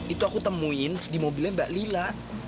itu aku temuin di mobilnya mbak lila